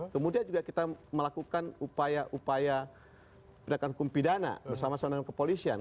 kemudian juga kita melakukan upaya upaya pendekatan hukum pidana bersama sama dengan kepolisian